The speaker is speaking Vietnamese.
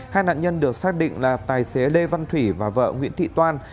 hai nạn nhân được xác định là tài xế lê văn thủy và vợ nguyễn thị toan